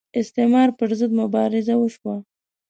استعمار پر ضد مبارزه وشوه